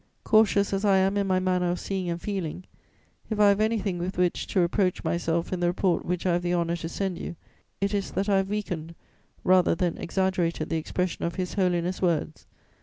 "Cautious as I am in my manner of seeing and feeling, if I have anything with which to reproach myself in the report which I have the honour to send you, it is that I have weakened rather than exaggerated the expression of His Holiness' words.